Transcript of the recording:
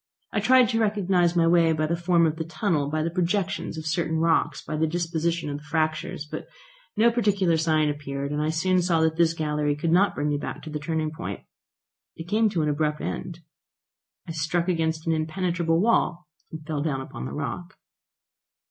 I tried to recognise my way by the form of the tunnel, by the projections of certain rocks, by the disposition of the fractures. But no particular sign appeared, and I soon saw that this gallery could not bring me back to the turning point. It came to an abrupt end. I struck against an impenetrable wall, and fell down upon the rock.